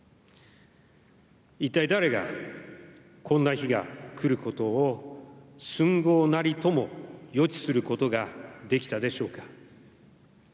一体誰がこんな日が来ることをすんごうなりとも予知することができたでしょうか。